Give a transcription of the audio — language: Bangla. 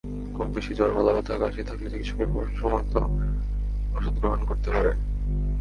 খুব বেশি জ্বর, গলাব্যথা, কাশি থাকলে চিকিৎসকের পরামর্শমতো ওষুধ গ্রহণ করতে পারেন।